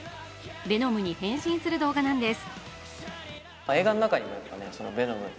ヴェノムに変身する動画なんです。